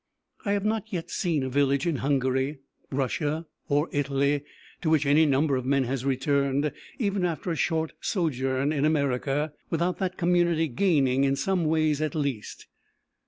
I have not yet seen a village in Hungary, Russia or Italy, to which any number of men has returned even after a short sojourn in America, without that community's gaining in some ways at least.